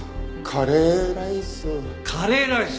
カレーライス？